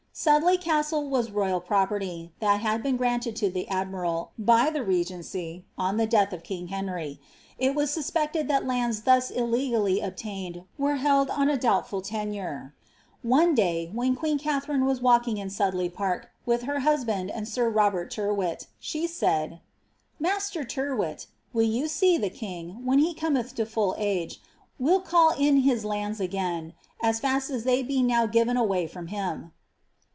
Sudley Castle * was royal property, that had been granted to the ad miral, by the regency, on the death of king Henry. It was suspecied that lands thus illegally obtained were held on a doubtful tenure. One day, when queen Katharine was walking in Sudley Park, with her hus band and sir Robert Tyrwhitt, she said, " Master Tyrwhilt, you wiQ see the king, when he cometh to full age, will call in his lands again h fast as they be now given away from him."